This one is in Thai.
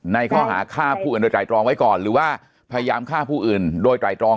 ในข้อหาฆ่าผู้อื่นโดยไตรตรองไว้ก่อนหรือว่าพยายามฆ่าผู้อื่นโดยไตรตรอง